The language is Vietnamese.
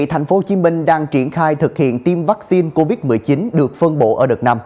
thành phố hồ chí minh đang triển khai thực hiện tiêm vaccine covid một mươi chín được phân bộ ở đợt năm